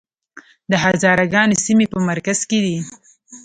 د هزاره ګانو سیمې په مرکز کې دي